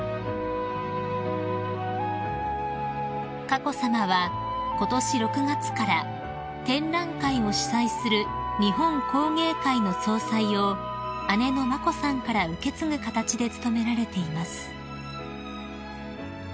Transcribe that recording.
［佳子さまはことし６月から展覧会を主催する日本工芸会の総裁を姉の眞子さんから受け継ぐ形で務められています］